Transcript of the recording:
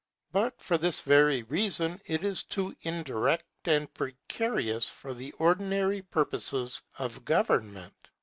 But for this very reason, it is too indirect and precarious for the ordinary purposes of government.